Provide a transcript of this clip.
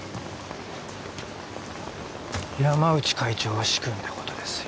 山内会長が仕組んだ事ですよ。